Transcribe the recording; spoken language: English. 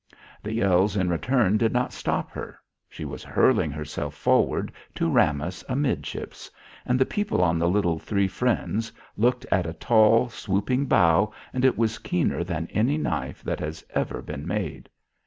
The yells in return did not stop her. She was hurling herself forward to ram us amidships, and the people on the little Three Friends looked at a tall swooping bow, and it was keener than any knife that has ever been made.